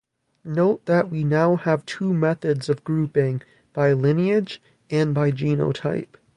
Note that we now have two methods of grouping, by lineage, and by genotype.